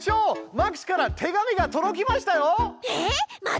マックスから手紙が届きましたよ！